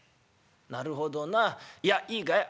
「なるほどな。いやいいかい？